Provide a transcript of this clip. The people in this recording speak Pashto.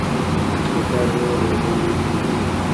ګیدړ وویل اوبه مي دي میندلي